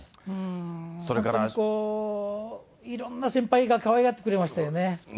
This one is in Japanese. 本当にいろんな先輩がかわいがってくれましたよね。